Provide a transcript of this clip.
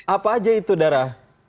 apa aja itu dara